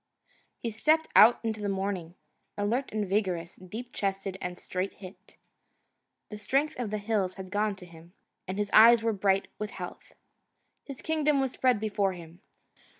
He stepped out into the morning, alert and vigorous, deep chested and straight hipped. The strength of the hills had gone into him, and his eyes were bright with health. His kingdom was spread before him.